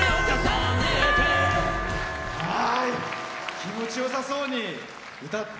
気持ちよさそうに歌って。